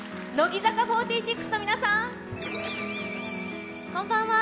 乃木坂４６の皆さん。